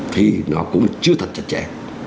thì nó cũng chưa thật chặt chẽ